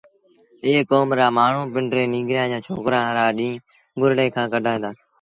ايئي ڪوم رآ مآڻهوٚٚݩ پنڊري ننگريآݩ جآݩ ڇوڪرآݩ رآ ڏيݩهݩ گُرڙي کآݩ ڪڍائيٚݩ دآ